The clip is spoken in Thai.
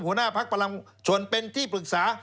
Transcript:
หัวหน้าภักดิ์ประชวนเป็นที่ปรึกษา